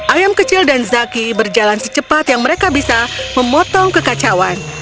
ayam kecil dan zaki berjalan secepat yang mereka bisa memotong kekacauan